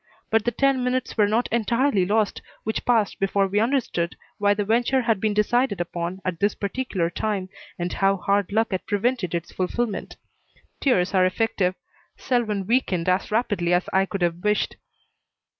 But the ten minutes were not entirely lost which passed before we understood why the venture had been decided upon at this particular time, and how hard luck had prevented its fulfilment. Tears are effective. Selwyn weakened as rapidly as I could have wished.